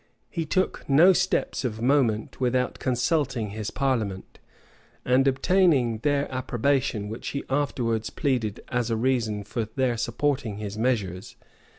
He took no steps of moment without consulting his parliament, and obtaining their approbation, which he afterwards pleaded as a reason for their supporting his measures.